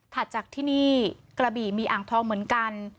จากที่นี่กระบี่มีอ่างทองเหมือนกัน